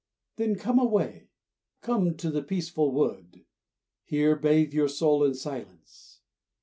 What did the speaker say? Then come away, come to the peaceful wood, Here bathe your soul in silence.